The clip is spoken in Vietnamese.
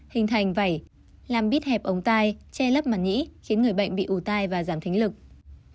hình thành vảy làm bít hẹp ống tay che lớp mặt nhĩ khiến người bệnh bị ủ tay và giảm thính lực